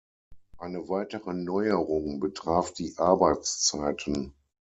Eine weitere Neuerung betraf die Arbeitszeiten.